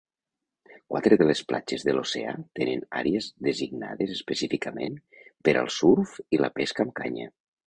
Quatre de les platges de l'oceà tenen àrees designades específicament per al surf i la pesca amb canya.